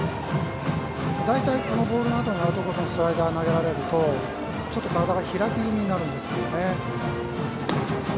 大体、このボールのあとにアウトコースのスライダーを投げられるとちょっと体が開き気味になるんですけどね。